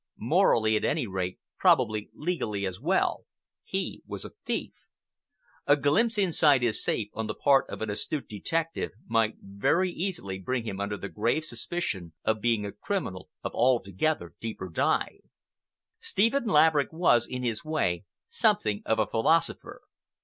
Morally, at any rate,—probably legally as well,—he was a thief. A glimpse inside his safe on the part of an astute detective might very easily bring him under the grave suspicion of being a criminal of altogether deeper dye. Stephen Laverick was, in his way, something of a philosopher.